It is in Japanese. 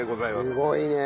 すごいね。